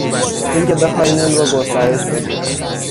اینکه بخواهیم اون رو گسترش بدیم